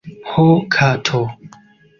Ho kato!